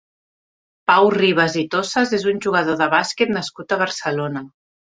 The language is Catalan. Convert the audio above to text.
Pau Ribas i Tossas és un jugador de bàsquet nascut a Barcelona.